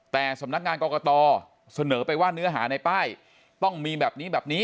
แต่สำนักงานกรกตเสนอไปว่าเนื้อหาในป้ายต้องมีแบบนี้แบบนี้